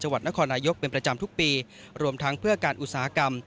วัดนครนายกเป็นประจำทุกปีรวมทั้งเพื่อการอุตสาหกรรม